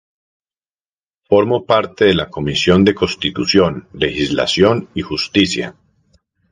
Formó parte de la Comisión de Constitución, Legislación y Justicia.